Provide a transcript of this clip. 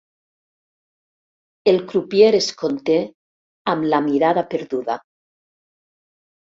El crupier es conté amb la mirada perduda.